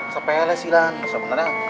sepele sih lan sebenernya